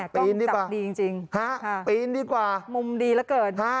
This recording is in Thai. ปีนดีกว่าปีนดีกว่ามุมดีแล้วเกิด